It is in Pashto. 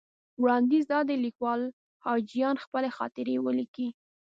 وړاندیز دا دی لیکوال حاجیان خپلې خاطرې ولیکي.